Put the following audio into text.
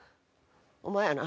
お前やな。